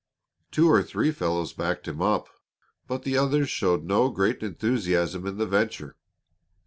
Two or three fellows backed him up, but the others showed no great enthusiasm in the venture.